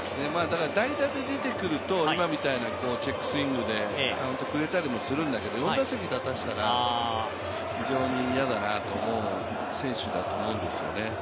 代打から見たら、今みたいなチェックスイングでカウントするんだけれども、４打席立たせたら非常に嫌だなと思う選手だと思うんですよね。